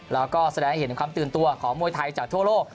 แล้วก็แสดงให้เห็นถึงความตื่นตัวของมวยไทยจากทั่วโลก